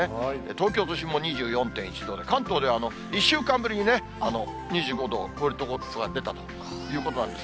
東京都心も２４．１度で、関東では１週間ぶりにね、２５度を超える所が出たということなんです。